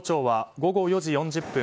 午後４時４０分